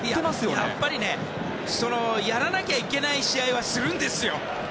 やっぱりねやらなきゃいけない試合はするんですよ。